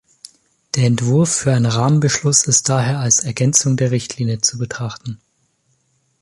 Der Entwurf für einen Rahmenbeschluss ist daher als Ergänzung der Richtlinie zu betrachten.